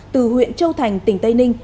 từ huyện châu thành tỉnh tây ninh